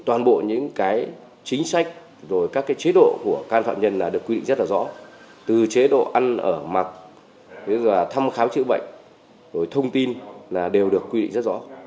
toàn bộ những chính sách và các chế độ của cán phạm nhân được quy định rất rõ từ chế độ ăn ở mặt thăm khám chữa bệnh thông tin đều được quy định rất rõ